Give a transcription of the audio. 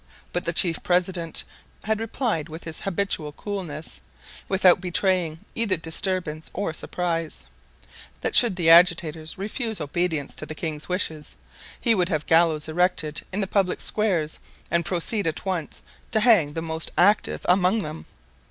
But the chief president had replied with his habitual coolness, without betraying either disturbance or surprise, that should the agitators refuse obedience to the king's wishes he would have gallows erected in the public squares and proceed at once to hang the most active among them.